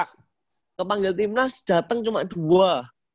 yang kepanggil timnas jateng cuma dua